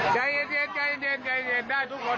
ใจเย็นใจเย็นใจเย็นได้ทุกคน